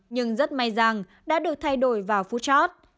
nhưng rất may rằng đã được thay đổi vào footshot